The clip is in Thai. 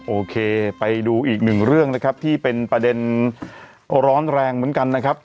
โอเคไปดูอีกหนึ่งเรื่องนะครับที่เป็นประเด็นร้อนแรงเหมือนกันนะครับ